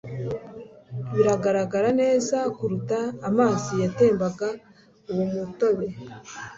Biragaragara neza kuruta amazi yatembaga uwo mutobe